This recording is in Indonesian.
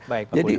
baik pak putri